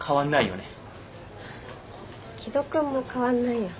紀土くんも変わんないよ。